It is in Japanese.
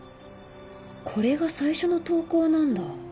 これが最初の投稿なんだ。